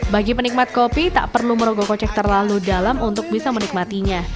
bagi penikmat kopi tak perlu merogoh kocek terlalu dalam untuk bisa menikmatinya